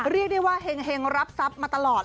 เรียกได้ว่าเห็งรับทรัพย์มาตลอด